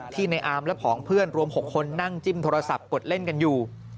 ในอาร์มและผองเพื่อนรวม๖คนนั่งจิ้มโทรศัพท์กดเล่นกันอยู่